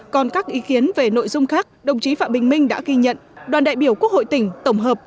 còn các ý kiến về nội dung khác đồng chí phạm bình minh đã ghi nhận đoàn đại biểu quốc hội tỉnh tổng hợp